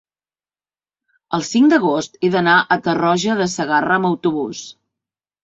el cinc d'agost he d'anar a Tarroja de Segarra amb autobús.